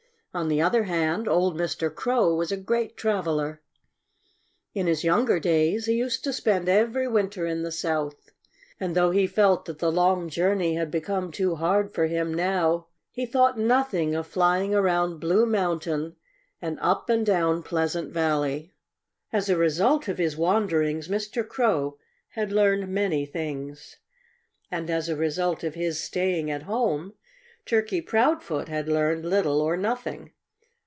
On the other hand, old Mr. Crow was a great traveller. In his younger days he used to spend every winter in the South. And though he felt that the long journey had become too hard for him now, he thought nothing of flying around Blue Mountain and up and down Pleasant Valley. As a result of his wanderings Mr. Crow had learned many things. And as a result of his staying at home, Turkey Proudfoot had learned little or nothing.